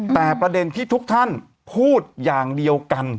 แต่ประเด็นที่ทุกท่านพูดอย่างเดียวกัน